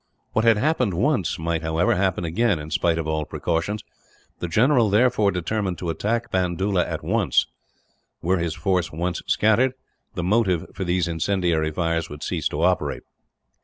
What had happened once might, however, happen again, in spite of all precautions. The general therefore determined to attack Bandoola at once as, were his force once scattered, the motive for these incendiary fires would cease to operate.